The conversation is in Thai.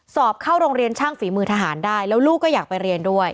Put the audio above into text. สอบเข้าโรงเรียนช่างฝีมือทหารได้แล้วลูกก็อยากไปเรียนด้วย